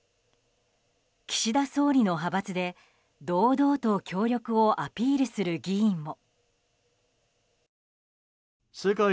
岸田総理の派閥で、堂々と協力をアピールする議員も。